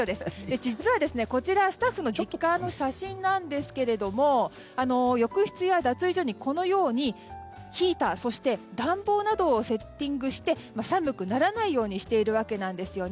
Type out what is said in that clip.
実はスタッフの実家の写真なんですが浴室や脱衣所にこのようにヒーター、そして暖房などをセッティングして寒くならないようにしているわけなんですよね。